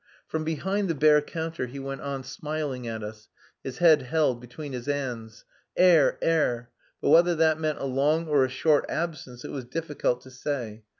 From behind the bare counter he went on smiling at us, his head held between his hands. Air. Air. But whether that meant a long or a short absence it was difficult to say.